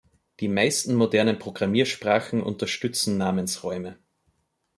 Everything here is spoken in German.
Die meisten modernen Programmiersprachen unterstützen Namensräume.